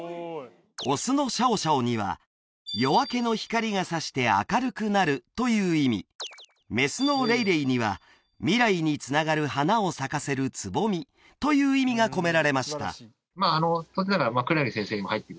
オスのシャオシャオには夜明けの光が差して明るくなるという意味メスのレイレイには未来につながる花を咲かせるつぼみという意味が込められました